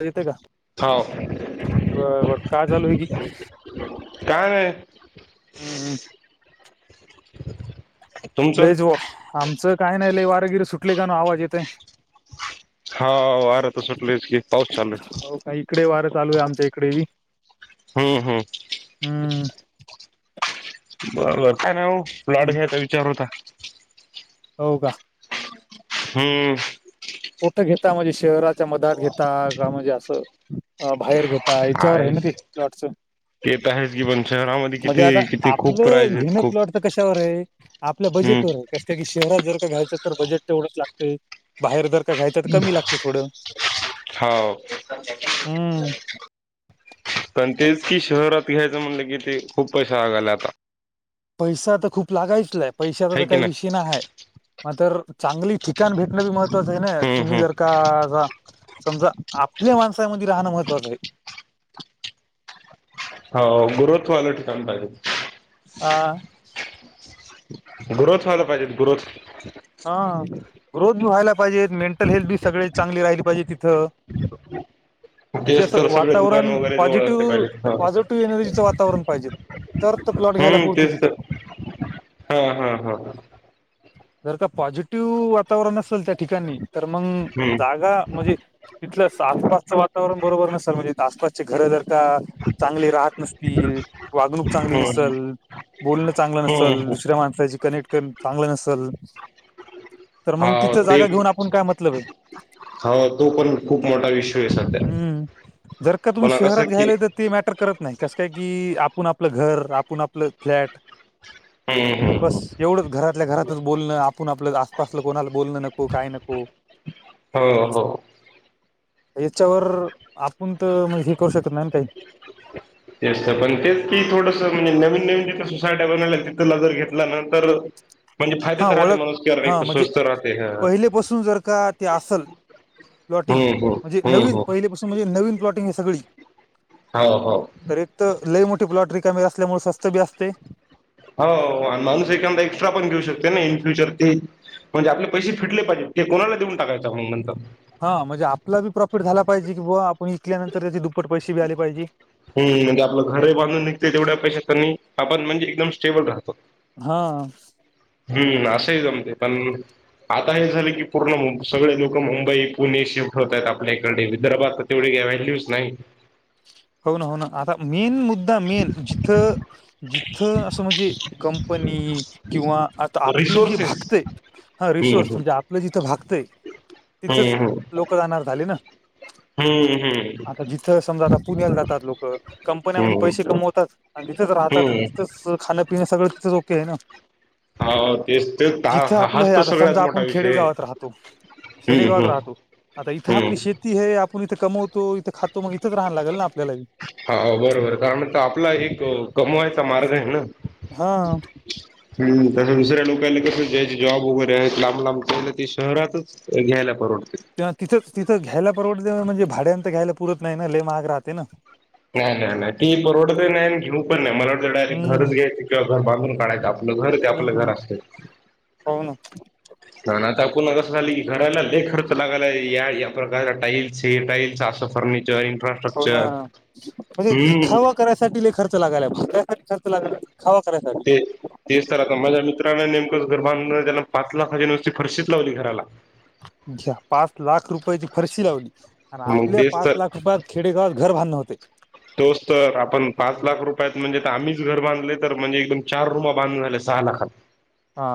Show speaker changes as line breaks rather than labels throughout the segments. ऐकू येते का?
हाव
बरं बरं काय चालू आहे की?
काय नाय.
हम्म हम्म.
[inaudible]
लईज वो आमचं काही नाही लय वारागिरी सुटलं कानु आवाज येतंय.
हा वारं तर सुटलेयच की पाऊस चालूय.
हो इकडे वारं चालू आहे आमच्या इकडे बी.
हो हो.
हम्म.
बोला हॅलो लाडू खायचा विचार होता.
हो का?
हम्म.
कुठं घेता म्हणजे शहराच्या मधात घेता का म्हणजे असं. अ बाहेर घेता याच्यावर आहे ना ते प्लॉटचं.
तर आहेच की पण शहरामध्ये
म्हणजे
किती
आता
किती खूप
आपलं
प्राईज आहेत
घेणं
खूप
प्लॉट तर कशावर आहे? आपल्या
हम्म
बजेट वर आहे. कसत की शहरात जर का घ्यायचं तर बजेट तेवढंच लागतंय बाहेर जर का घ्यायचं तर कमी लागते थोडं.
हाव
हम्म.
पण तेच की शहरात घ्यायचं म्हणलं कि ते खूप पैसा लागायला आता.
पैसा तर खूप लागायचलाय पैशा तर
हाय
तर
की
काही विषय नाही आहे. म तर चांगली ठिकाण भेटणं बी महत्त्वाचं आहे ना
हम्म
तुम्ही
हम्म
जर का जा समजा आपल्या माणसामध्ये राहणं महत्त्वाचं ये.
हो ग्रोथ वालं ठिकाण पाहिजे.
हा.
ग्रोथ व्हायला पाहिजे ग्रोथ.
हा ग्रोथ बी व्हायला पाहिजे, मेंटल हेल्थ बी सगळे चांगली राहिली पाहिजे तिथं. [inaudible] म्हणजे
तेच
असं
तर सगळे दुकान
वातावरण
वगैरे जवळ असले
पॉझिटिव्ह
पाहिजे
पॉझिटिव्ह एनर्जीचं वातावरण पाहिजे. तर तो प्लॉट घ्यायला
हम्म
पुूरती
तेच तर
तिथं.
हा हा हा.
जर का पॉझिटिव्ह वातावरण असेल त्या ठिकाणी तर मंग
हम्म
जागा म्हणजे तिथलं आसपासचं वातावरण बरोबर नसल म्हणजे आसपासची घरं जर का चांगली राहत नस. ती वागणूक चांगली
हम्म
नसंल, बोलणं चांगलं
हम्म
नसंल, दुसऱ्या माणसाशी कनेक्ट कर. चांगलं नसेल. तर
हा
मग तिथं जागा घेऊन आपण काय मतलब आहे.
ह तो पण खूप मोठा विषय आहे सध्या
हम्म जर का
पुन्हा कस?
[unintelligible] ते मॅटर करत नाही कस काय की आपण आपलं घर आपण आपलं फ्लॅट.
हम्म हम.
बस एवढंच घरातल्या घरातच बोलणं आपण आपलं आसपासलं कोणाला बोलणं नको काय नको.
हो हो.
याच्यावर आपूण तर मं हे करू शकत नाही ना काही.
तेचतं पण तेच की थोडसं म्हणजे नवीन नवीन जिथं सोसायटी बनवल्या तिथला जर घेतला ना तर म्हणजे
हा
फायद्यात राहते
ओळख
माणूस की अरे
हा म्हणजे
स्वस्त राहते ह हम्म
पहिलेपासून जर का ते असल. प्लॉटिंग
हम्म
म्हणजे
हम्म
नवीन
हम्म
पहिले पासून म्हणजे नवीन प्लॉटिंग आहे सगळी.
हो हो.
एकतं लई मोठठी प्लॉट रिकामी असल्यामुळे स्वस्त बी असतंय.
हो आणि माणूस एखांदा एक्स्ट्रा पण घेऊ शकते ना इन फ्युचर ते म्हणजे आपले पैसे फिटले पाहिजेत. ते कोणाला देऊन टाकायचा म्हणून म्हणतात.
हा म्हणजे आपला बी प्रॉफिट झाला पाहिजे किंवा आपण विकल्यानंतर त्याचे दुप्पट पैसे बी आले पाहिजे.
हम्म म्हणजे आपलं घर ही बांधून निघते तेवढ्या पैशा त्यांनी आपण म्हणजे एकदम स्टेबल राहतो.
हा.
हम्म असंही जमते पण आता हे झालं की पूर्ण सगळे लोक मुंबई पुणे शिफ्ट होत आहेत आपल्या इकडे विदर्भात. तेवढी काय व्हॅल्यूच नाही.
हो ना हो ना आता मेन मुद्दा मेन जिथं जिथं असं म्हणजे कंपनी किंवा आता आपलं जे
रिसोर्सेस
भागतय हा रिसोर्स
हम्म
म्हणजे आपलं जिथं भागतंय
हम्म
तिथच
हम्म
लोक जाणार झाले ना.
हम्म हम्म
आता जिथं समजा आता पुण्याला जातात लोकं. कंपन्यामध्ये
हम्म
पैसे कमवतात आणि तिथेच राहतात आणि
हम्म
तिथंच खाण्या पिण सगळं तिंच ओके आहे ना.
हा तेच ते
जिथं
ता-
आपलं
हाच
हे
तर
आता
सगळ्यात
समजा
मोठा
आपण
विषय
खेडे
आहे.
गावात राहतो.
हम्म
खेडेगावात
हम्म
राहतो आता इथं
हम्म
आपली शेती ती हे आप इथं कमवतो इथं खातो मग इथंच राहाय लागल ना आपल्याला बी.
हा बरोबर कारण तर आपला एक कमवायचा मार्ग आहे ना.
हा
हम् तसं दुसऱ्या लोकला कसं ज्याचे जॉब वगैरे आहेत लांब लांब च ते शहरातच घ्यायला परवडते.
ते तिथंच तिथं घ्यायला परवड म्हणजे भाड्यांत घ्यायला पुरत नाही ना ले महाग राहते ना.
नाही नाही नाही ती परवडंच नाही घेऊ पण नाही मला वाटत डायरेक्ट घरच
हम्म
घ्यायचे किंवा घर बांधून काढायंच आप आपलं घर का आपलं घर असत.
होऊ ना.
आता तर एकूून असं झालं की घराला लय खर्च लागायला या या प्रकारच्या टाईल्स हे टाईल्स असं फर्निचर. [unintelligible]
हो ना म्हणजे
हम्म
दखावा करायसाठी लय खर्च लागायलाय बा त्यासाठी खर्च लागायलाय हावा करायसाठी.
ते तेच तर आता माझ्या मित्रांने नेमकंच घर बांधून त्यान पाच लाखाची नुसती फरशीच लावली घराला.
घ्या पाच लाख रुपयाची फरशी लावली आणि
मग
आपल्या
तेच
पाच
तर
लाख रुपयात खेडे गावात घर बांधण होते.
तोच तर आपण पाच लाख रुपयात म्हणजे आम्हीच घर बांधले तर म्हणजे एकदम चार रुम बांधून झाल्या सहा लाखात.
हा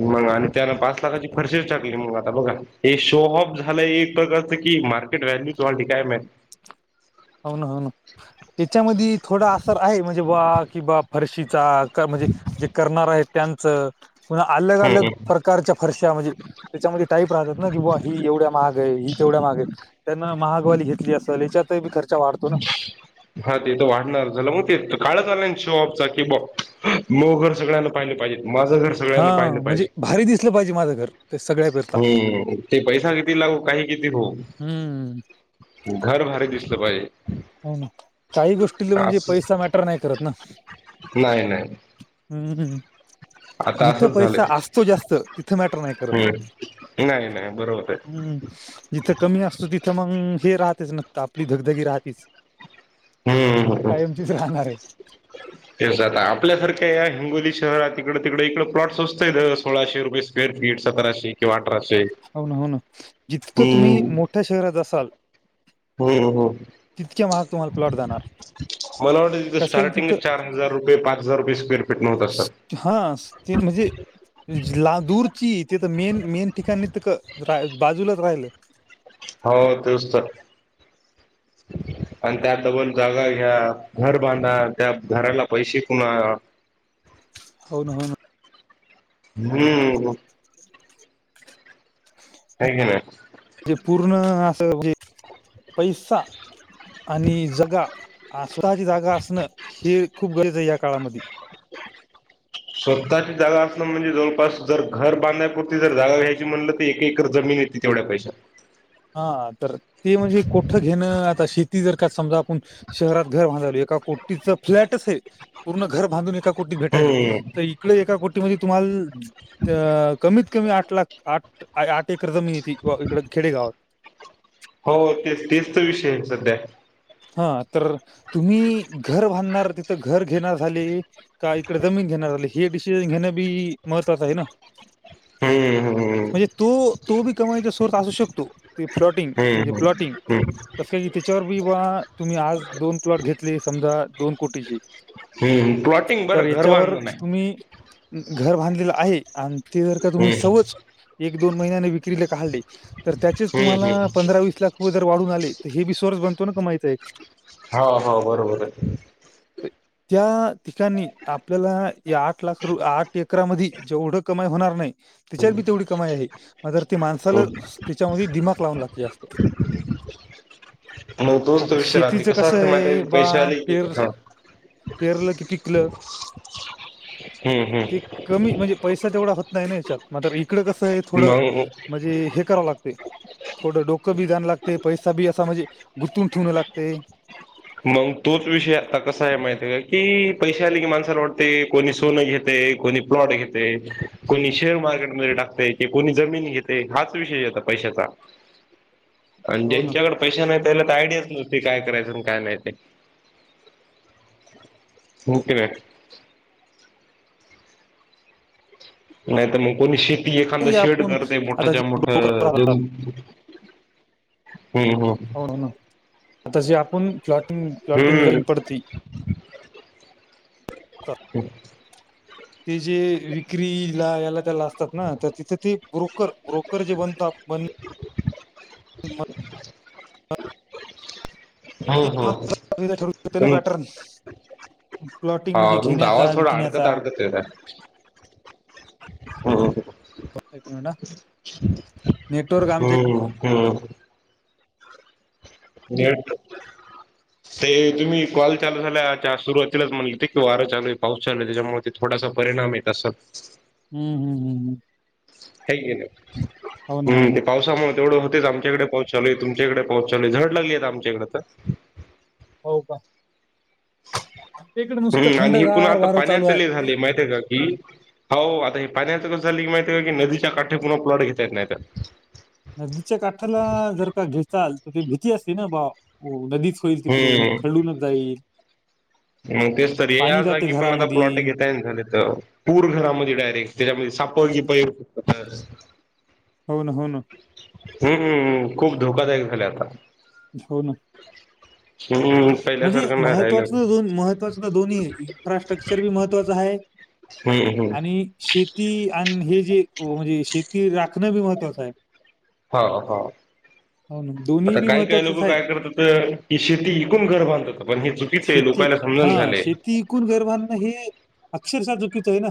मग आणि त्यान पाच लाखाची फरशी टाकली मग आता बघा. हे शो ऑफ झालंय एक प्रकारचं की मार्केट व्हॅल्यू च वाढली काय म
हो ना हो ना याच्यामध्ये थोडा असर आहे म्हणजे बा कि बा फरशीचा म्हणजे जे करणार आहे त्यांचं कन अलग
हम्म
अलग
हम्म
कारच्या फरश्या म्हणजे त्याच्यामध्ये टाईप राहतात ना की बा ही एवढ्या महाग आहे ही तेवढ्या महाग आहे. त्यांना महागवाली घेतली असेल याच्यात ही खर्च वाढतो ना.
हा ते तर वाढणार झालं मग ते काळच आलं शोऑफ चा की ब मोघर सगळ्यांना पाहिले पाहिजे. माझं घर
हा
सगळ्यांना पाहिलं पाहिजे
म्हणजे भारी दिसलं पाहिजे माझं घर ते सगळ्या पेरता
मी ते पैसा किती लागू काही किती हो
हम्म
घर भारी दिसलं पाहिजे.
हो ना काही गोष्टीला म्हणजे
असं
पैसा मॅटर नाही करत ना.
नाही नाही
हम्म हम
आता
जिथं
असंच झालंय
पैसा असतो जास्त तिथं मॅटर नाही करत.
हम्म नाही नाही बरोबर आहे
हम्म जिथं कमी असतो तिथं मग हे राहतेच न आपली धगधगी राहतेच.
हम्म
तिथं
ह
कायमचीच राहणार आहे
ते ज आपल्यासारख्या या हिंगोली शहरात तिकडडे तिकडे इकडे प्लॉट्स स्वस्त सोळाशे रुपये स्वेर फुट स्क्वेअर फीट सतराशे किंवा अठराशे
हो ना हो ना जितकं तुम्ही
हम्म
मोठ्या शहरात असाल
हम्म हम्म
तितक्या महाग तम्हाला पलॉट जाणार
मला वाटतं तिथं
कसं काय की
स्टार्टिंग
तिथं
चार हजार रुपये पाच हजार रुपये स्क्वेअर फुट होतं असेल सर
स- हा ते म्हणजे ला लादुची ते तर मेन मेन ठिकाणी तर बाजूलाच राहिलं
हो तेच तर
[inaudible]
आणि त्यात डबल जागा घ्या घर बांधा त्या घराला पैसे कुणा
होन हो ना.
हम्म ह काय नाही
ते पूर्ण अस म्हणजे पैसा आणि जगा अस्तःची जागा असणं हे खूप गरज आहे या काळामध्ये
स्वतःची जागा असण म्हणजे जवळपास जर घर बांधण्यापुरती जर जागा घ्यायची म्हणलं तर एकेकर जमीन येत तेवढ्या पैशात
हा तर ते म्हणजे.. घेणं आता शेती जर का समजा आपण शहरात घर बांधाल एका कोटीच फ्लॅट आहे पूर्ण घर बांधून एका कोटीत भेटायले
हम्म
तर इकडे एका कोटीमध्ये तुम्हाला कमीत... कमीत कमी आठ लाख आठ एकर जमीन‌ येते इकडे खेडेगावात
हो तेच तेच तर विषय आहे सध्या
हा तर तुम्ही घर बांधणार तर घर घेणार झाले का इकडे जमीन घेणार झाले हे डिसिजन घेणं बी महत्त्वाचं आहे ना [inaudible]
हम् हम
म्हणजे तो तो बी कमाईचा सोर्थ असू शकतो ते्लॉटिंग म्हणजे
हम्म
प्लॉटिंग
हम्म
तसे तिच्यावर तुम्ही आज दोन प्लॉट घेतले समजा दोन कोटीची
हम्म प्लॉटिंग
तर
बरं घर
हयाच्यावर
बांधलं नाही
तुम्ही घर बांधलेलं आहे आणि ते जर का तुम्ही
हम्म
सवज एक दोन महिन्याने विक्रीला काढली तर त्याचेच
हम्म
तुम्हाला
हम्म
पंधरा वीस लाख रुपये जर वाढून आले तर हे बी सोर्स बनतो ना कमायचा एक
हा हा बरोबर आहे
अ त्या ठिकाणी आपल्याला या आठ लाख रु आठ एकर मध्येजेवढं कमाई होणार नाही तिच्या पणतेवढी कमाई आहे मात्र ते माणसाला
हम्म
तिच्यामध्ये दिमाग लावून लागते जास्त
[inaudible] मग तोच
आता
तो विषय राहते
शेतीचं
कसा
कसं
असते
आहे
माझ्
बा
पैसे आले.
पेर पेरलं की पिकलं
हम्म हम्म
ते कमी म्हणजे पैसा तेवढा होत नाही ना याच्यात म्र इकडं कसं आहे थोडं
मग
म्हणजे हे करावं लागते थोडं डोकं बी द्यावं लागते पैसा बी असा म्हणजे गुंतून ठेवणं लागते
मग तोच विषय आता कसा आहे माहिती आहे का की पैसे आले की माणसाला वाटते कोणी सोनं घेते कोणी प्लॉट घेते कोणी शेअर मार्केटमध्ये टाकते की कोणी जमीन घेते हाच विषय येतात पैशाचा
[inaudible]
आणि
हो ना
ज्यांच्याकडे पैशे नाही त्याला तर आयडियाच नसते काय करायचं काय नाही तेक नाही तर मग कोणी शेती एखाद
हे
शेड
आपण
करते
आता
मोठ्याच्या
जे
मोठ
डोकं
दोन
राहतात
हम्म हम्
हो ना आताशी आपण फ्लॉटिंग फ्लॉटिंग
हम्म
लाईन पडती
हम्
[inaudible] ते जे विक्री ला याला त्याला असतात ना तर तिथे ते ब्रोकर ब्रोकर जे बनतात म-
[inaudible] हम्म हम्म
शरू
तुम
बॅट प्लॉटिंग म्हणजे घेण्याचा विकण्याचा
होय का हो, हो.
[unintelligible]
हो
आमचे
हो हो. घेट
[inaudible]
ते तुम्ही कॉल चालू झाल्याच्या सुरुवातीलाच म्हणल, त की वारा चालू आहे, पाऊस चाल त्याच्यामुळे थोडासा परिणाम आहेेत अस
हम्म हम् हम् हम.
ह नाही
हो ना हो
हम्म,
ना
ते पावसामुळे तेवढं होतेच आम च्याकडे पाो चालय तुमच्याकडे पाचचालय झड लागली आमच्याकडे तर,
हो का? आमच्या इकडे नुसतं
हम्म आणि हे पुन्हा
थंडगार
आता
वारं चालू आहे
पाण्यातले झाले माहिती का? ह हो आता हे पाण्याच कस झाली की माहिती का की नदीच्या काठे पुन्हा प्लॉट घेता येत नाहीतर.
नदीच्या काठाला जर का घेचाल तर त भीती असते ना बा. नदीच होईल तिकडऊन
हम्म
खळूनच जाईल.
मग तेच तर ये
पाणी
या
जाते
जागी पण आता
घरामध्ये
प्लॉट घेताय झाले तर. पूर घरामध्ये डायरेक्ट त्याच्यामध्ये साप की
हम्म.
पैर
होन होन.
हम्म्म खूप धोकादायक झाले आता‌.
हो ना.
हम्म, पहिल्या सारखनाय राहिलं.
महत्वाचा तर दोन्ही इन्फ्रास्ट्रक्चर बी महत्त्वाच आहे,
हम्म हम्म
आणि शेती आणि हे जे म्हणजे शेती राखणं बी महत्वाचं आहे.
हा हा
हो ना दोन्ही
आता
बी
काय काय
महत्वाचंच
लोक
आहे
काय करत होते. की शेती इकून घर बांधतत पण हे चुकीचं आहे, लोकायला समजून झालंय.
ति विकून घरबांधणं हे अक्षरशः चुकीचं आहे ना.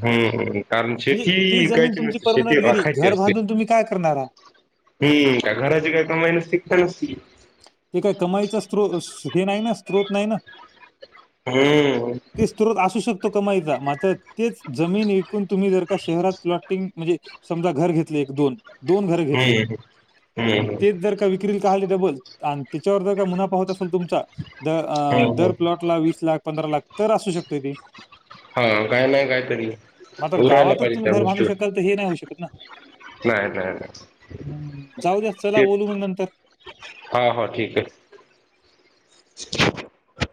हम्म कारण
म्हणजे
शेती
ती जमीन
इकायची
तुमची
नसते
परमनंट
शेती
गेली
राखायची
घर
असते‌.
बांधून तुम्ही काय करणार आहात
ह का घराचे काय कमा [unintelligible]
ते काय कमाईचा स्त्रोत हे नाही ना स्त्रोत नाही ना.
हम्म!
ते स्त्रोत असू शकतो कमाईचा, मात्र तेच जमीन विकून तुम्ही जर का शहरात प्लॉटिंग म्हणजे, समजा घर घेतलं एक दोन दोन घर घेतली
हम्म
आणि
हम्म
तेच जर विक्र चाले डबल आन त्याच्यावर जर का मुनाफा होत असेल तुमचा द अ
हम्म
दर प्लॉट वीस लाख, पंधरा लाख तर असू शकते ते.
हा काय नाही कायतरी
मात्र
उरायला
गावातच
पाहिजे
तुम्ही
त्या
घर बांधू
गोष्टीवर
शकाल तर हे नाही होऊ शकत ना.
नाही नाही नाही
ह जाऊ द्या चला
ते
बोलू मग नंतर.
हा हा ठीक आहे. [inaudible]